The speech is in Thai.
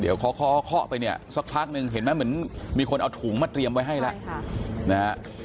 เดี๋ยวเคาะเคาะไปเนี่ยสักพักหนึ่งเห็นไหมเหมือนมีคนเอาถุงมาเตรียมไว้ให้แล้วนะฮะ